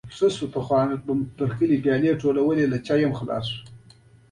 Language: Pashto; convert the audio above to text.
سترګې یې له اوښکو وچې کړې، بیا په ژړا شوه.